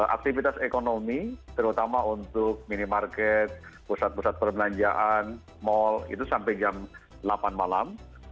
aktivitas ekonomi terutama untuk minimarket pusat pusat perbelanjaan mal itu sampai jam delapan malam